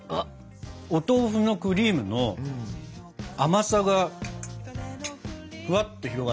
お豆腐のクリームの甘さがふわっと広がって。